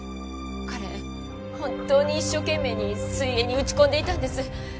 彼本当に一生懸命に水泳に打ち込んでいたんです。